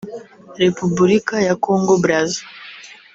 Repubulika ya Kongo Brazza